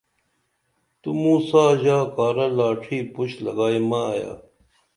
تو موں سا ژا کارہ لاڇھی پُش لگائی مہ ایا